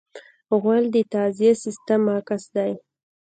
غول د تغذیې سیستم عکس دی.